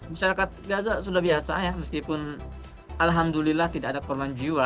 masyarakat gaza sudah biasa ya meskipun alhamdulillah tidak ada korban jiwa